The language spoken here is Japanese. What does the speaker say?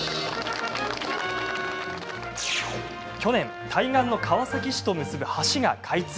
去年、対岸の川崎市と結ぶ橋が開通。